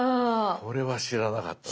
これは知らなかったぞ。